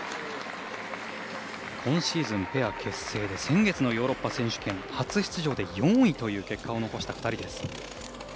今シーズンペア結成で先月のヨーロッパ選手権初出場で４位という結果を残した２人です。